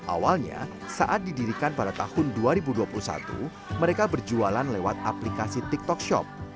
awalnya saat didirikan pada tahun dua ribu dua puluh satu mereka berjualan lewat aplikasi tiktok shop